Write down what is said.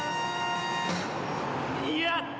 やった！